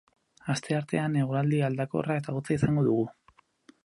Asteartean eguraldi aldakorra eta hotza izango dugu.